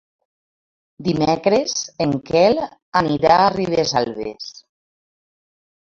Dimecres en Quel anirà a Ribesalbes.